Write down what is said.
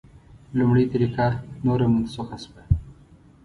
لومړۍ طریقه نوره منسوخه شوه.